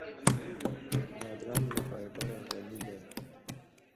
بادرنګ له فایبره غني دی.